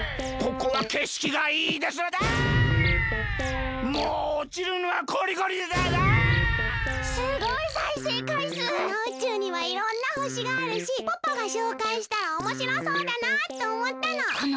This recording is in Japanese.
この宇宙にはいろんなほしがあるしパパがしょうかいしたらおもしろそうだなとおもったの！